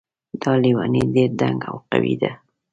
دا لیونۍ ډېر دنګ او قوي ده